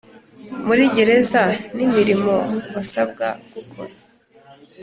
Muri gereza n imirimo basabwa gukora